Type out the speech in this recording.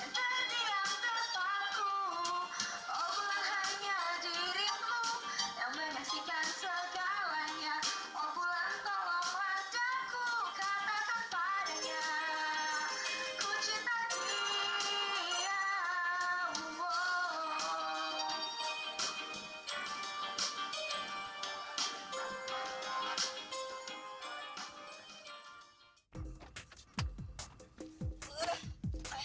yang terdiam terpaku oh hanya dirimu yang menyaksikan segalanya oh pulang tolonglah